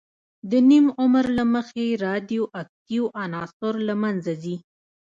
د نیم عمر له مخې رادیواکتیو عناصر له منځه ځي.